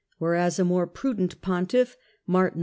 whereas a more prudent pontiff, Martin V.